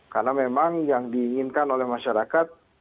karena memang yang diinginkan oleh masyarakat